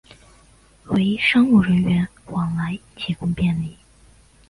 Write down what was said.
为商务人员往来提供便利